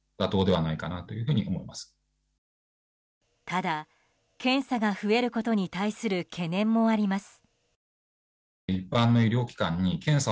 ただ、検査が増えることに対する懸念もあります。